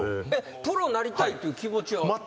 プロになりたいっていう気持ちは？